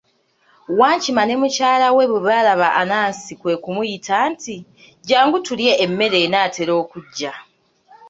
Wankima ne mukyala we bwe baalaba Anansi kwe kumuyita nti, jangu tulye, emmere enaatera okuggya.